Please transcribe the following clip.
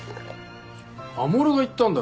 守が言ったんだろ。